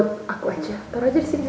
taruh aja disini